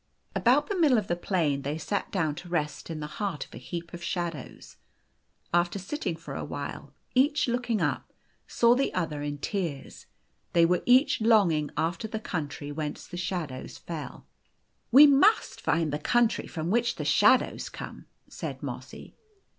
About the middle of the plain they sat down to rest in the heart of a heap of shadows. After sitting for a while, each, looking up, saw the other in tears: they were each longing after the country whence the shadows fell. The Golden Key " We must find the country from which the shadows come," said Mossv.